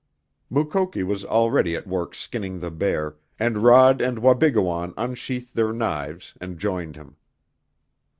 Mukoki was already at work skinning the bear, and Rod and Wabigoon unsheathed their knives and joined him.